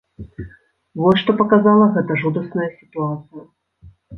Вось што паказала гэтая жудасная сітуацыя.